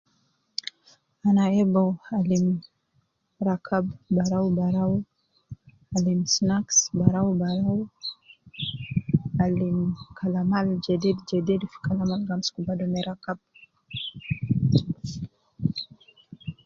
Ana hebu alim rakab baraubarau, alim snacks baraubarau, alim kalama al jedidijedidi fi kalama ab gi amsuku badu me rakab.